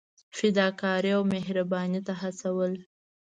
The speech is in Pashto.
فدا کارۍ او مهربانۍ ته هڅول.